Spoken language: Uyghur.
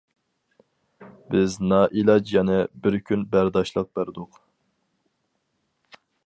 بىز نائىلاج يەنە بىر كۈن بەرداشلىق بەردۇق.